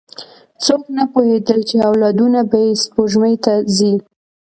څوک نه پوهېدل، چې اولادونه به یې سپوږمۍ ته ځي.